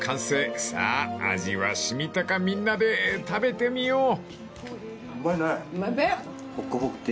［さあ味は染みたかみんなで食べてみよう］